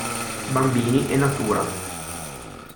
Bambini e Natura.